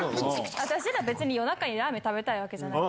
私ら、別に夜中にラーメン食べたいわけじゃない。